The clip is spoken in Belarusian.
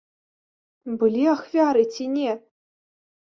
Былі ахвяры ці не?